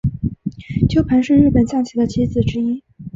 鸠盘是日本将棋的棋子之一。